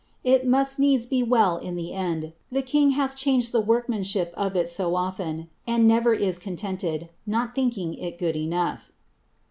Il must ueede be well Jn ihe end, llie king hath changed the wotkman^hip of it so often, and never is conieiil'^it, not thinking il good enough."